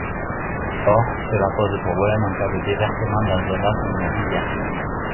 Or, cela pose problème en cas de déversement dans un lac ou une rivière.